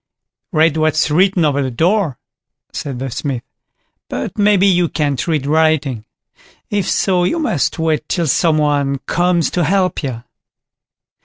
"Read what's written over the door", said the Smith; "but maybe you can't read writing. If so, you must wait till some one comes to help you."